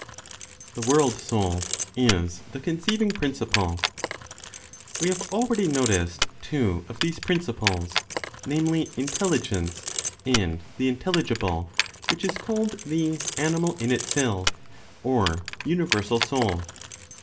THE WORLD SOUL IS THE CONCEIVING PRINCIPLE. We have already noticed two of these principles (namely, intelligence, and the intelligible, which is called the Animal in itself, or universal Soul).